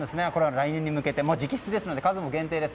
来年に向けて、直筆ですので数も限定です。